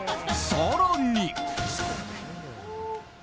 更に。